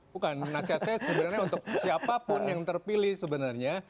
bukan nasihat saya sebenarnya untuk siapapun yang terpilih sebenarnya